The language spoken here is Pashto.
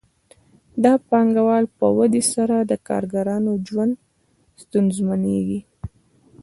د پانګوال په ودې سره د کارګرانو ژوند ستونزمنېږي